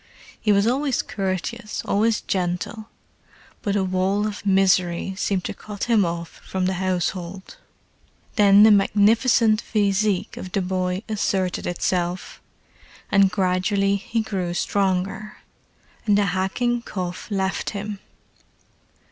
He was always courteous, always gentle; but a wall of misery seemed to cut him off from the household. Then the magnificent physique of the boy asserted itself, and gradually he grew stronger, and the hacking cough left him.